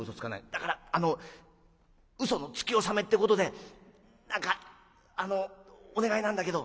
「だからあの嘘のつき納めってことで何かあのお願いなんだけど」。